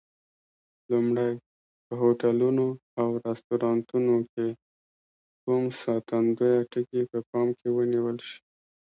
لومړی: په هوټلونو او رستورانتونو کې کوم ساتندویه ټکي په پام کې ونیول شي؟